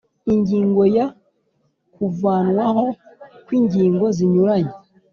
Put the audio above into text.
Ingingo ya kuvanwaho kw ingingo zinyuranye